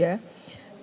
dia bisa dihubungkan